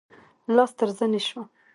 لاس تر زنې شو.